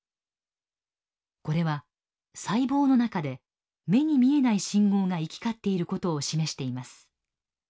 これは細胞の中で目に見えない信号が行き交っていることを示しています。